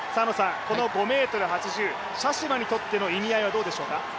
この５ｍ８０、シャシュマにとっての意味合いはどうでしょうか。